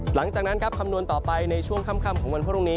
หลังจากนั้นครับคำนวณต่อไปในช่วงค่ำของวันพรุ่งนี้